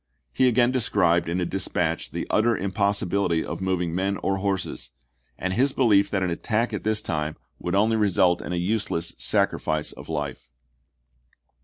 He again described in a dispatch the utter impossibility of moving men or horses, and his belief that an attack at this time would only ibid. result in a useless sacrifice of life.